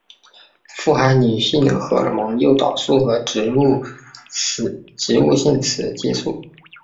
富含女性荷尔蒙诱导素和植物性雌激素。